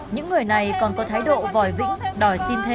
những người này còn có thái độ vòi vĩnh đòi xin thêm